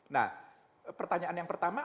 nah pertanyaan yang pertama